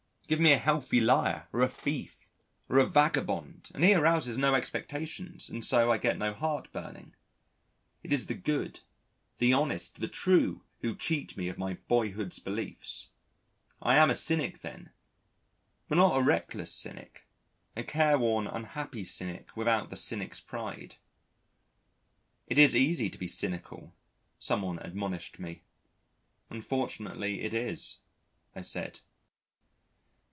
Give me a healthy liar, or a thief, or a vagabond, and he arouses no expectations, and so I get no heart burning. It is the good, the honest, the true, who cheat me of my boyhood's beliefs.... I am a cynic then, but not a reckless cynic a careworn unhappy cynic without the cynic's pride. "It is easy to be cynical," someone admonished me. "Unfortunately it is," I said.